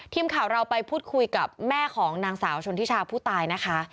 ทีมข่าวเราไปพูดคุยกับแม่ของนางสาวชนทิชาผู้ตายนะคะ